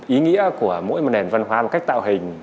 ý nghĩa của mỗi nền văn hóa cách tạo hình